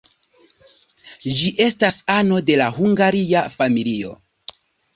Ĝi estas ano de la Hungaria familio.